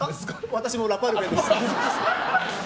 私もラパルフェです。